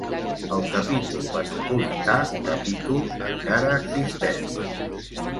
El Capítol Metropolità Capítol encara existeix.